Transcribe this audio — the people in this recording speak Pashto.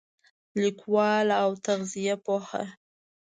لیکواله او تغذیه پوهه